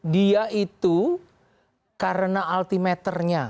dia itu karena altimeternya